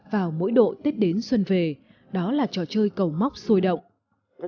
vào mỗi độ tiết đến xuân về đó là trò chơi cầu móc xôi động